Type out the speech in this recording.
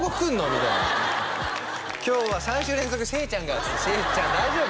みたいな「今日は３週連続せいちゃんが」っつって「せいちゃん大丈夫？